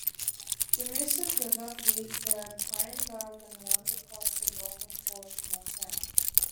The Moosup River feeds the Quinebaug and runs across the northern portion of town.